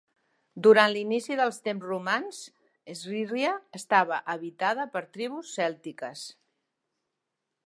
Durant l'inici dels temps romans, Styria estava habitada per tribus cèltiques.